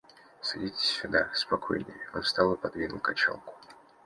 Садитесь сюда, спокойнее... — Он встал и подвинул качалку.